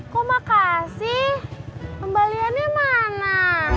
kok makasih kembaliannya mana